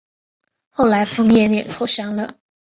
后来冯衍也投降了。